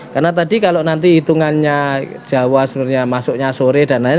karena tadi kalau nanti hitungannya jawa sebenarnya masuknya sore dan lain lain